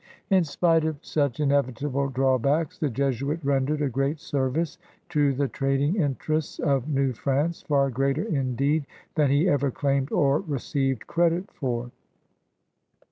In spite of such inevitable drawbacks, the Jesuit rendered a great service to the trading 158 CRUSADERS OF NEW FRANCE interests of New France, far greater indeed than he ever claimed or received credit for.